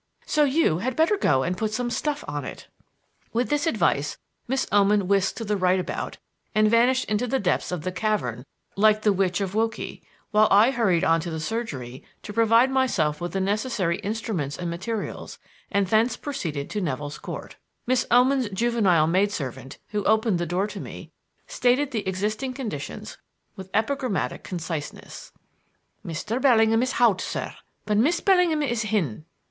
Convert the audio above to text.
So you had better go and put some stuff on it." With this advice, Miss Oman whisked to the right about and vanished into the depths of the cavern like the witch of Wokey, while I hurried on to the surgery to provide myself with the necessary instruments and materials, and thence proceeded to Nevill's Court. Miss Oman's juvenile maidservant, who opened the door to me, stated the existing conditions with epigrammatic conciseness. "Mr. Bellingham is hout, sir; but Miss Bellingham is hin."